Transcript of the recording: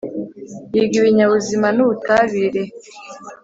yiga ibinyabuzima n’ubutabire